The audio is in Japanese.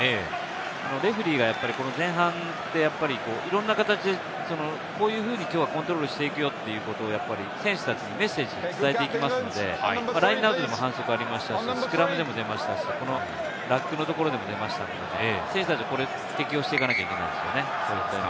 レフェリーが前半でいろんな形でこういうふうに、きょうはコントロールしていくよというのを選手たちにメッセージで伝えていきますので、ラインアウトでも反則がありましたし、スクラムでも出ましたし、ラックのとこでも出ましたので、選手たちはこれに適応していかなければいけないですね。